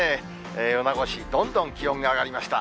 米子市、どんどん気温が上がりました。